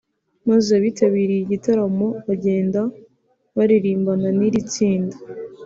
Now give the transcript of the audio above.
maze abitabiriye igitaramo bagenda baririmbana n’iri tsinda